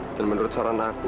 dan menurut suara aku